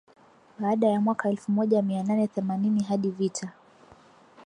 Baada ya mwaka elfumoja mianane themanini hadi Vita